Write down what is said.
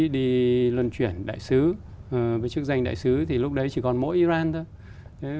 đi luân chuyển đại sứ với chức danh đại sứ thì lúc đấy chỉ còn mỗi iran thôi